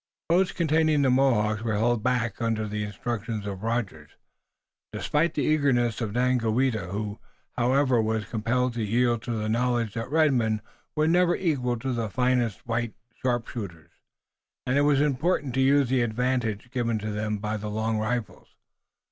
The boats containing the Mohawks were held back under the instructions of Rogers, despite the eagerness of Daganoweda, who, however, was compelled to yield to the knowledge that red men were never equal to the finest white sharpshooters, and it was important to use the advantage given to them by the long rifles.